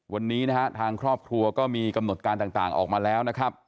วันนี้นะฮะทางครอบครัวก็มีกำหนดการต่างออกมาแล้วนะครับ